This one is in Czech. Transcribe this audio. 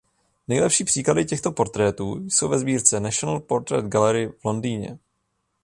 Nejlepší příklady těchto portrétů jsou ve sbírce National Portrait Gallery v Londýně.